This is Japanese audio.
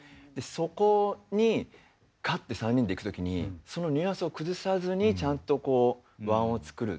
そこにカッて３人でいく時にそのニュアンスを崩さずにちゃんとこう和音を作る。